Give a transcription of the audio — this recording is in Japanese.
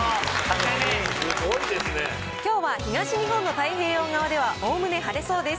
きょうは東日本の太平洋側ではおおむね晴れそうです。